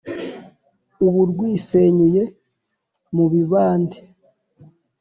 ubu rwisenyuye mu mibande,